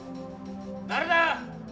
誰だ！？